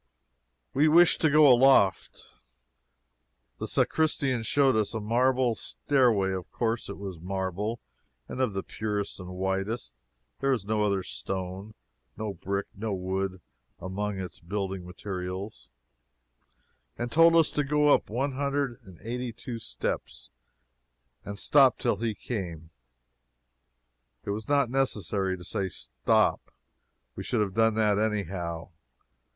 We wished to go aloft. The sacristan showed us a marble stairway (of course it was marble, and of the purest and whitest there is no other stone, no brick, no wood, among its building materials) and told us to go up one hundred and eighty two steps and stop till he came. It was not necessary to say stop we should have done that any how.